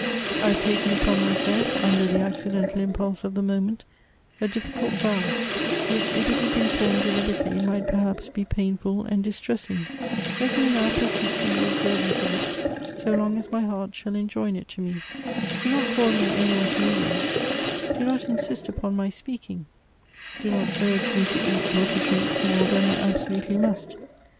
I have taken upon myself, under the accidental impulse of the moment, a difficult vow, which if it had been formed deliberately, might perhaps be painful and dis tressing. Let me now persist in the observance of it so Elective Affinities. 307 long as my heart shall enjoin it to me. Do not call in any one to mediate ; do not insist upon my speaking ; do not urge me to eat or to drink more than I absolutely must.